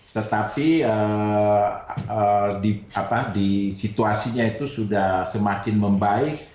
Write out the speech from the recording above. tetapi di situasinya itu sudah semakin membaik